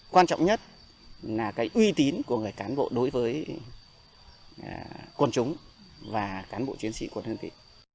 quan trọng nhất là cái uy tín của người cán bộ đối với quân chúng và cán bộ chiến sĩ quân hương vị